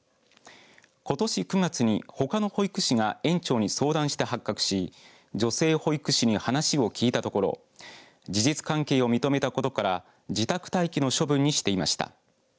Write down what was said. ことし９月にほかの保育士が園長に相談して発覚し女性保育士に話を聞いたところ事実関係を認めたことから自宅待機の処分にしていました。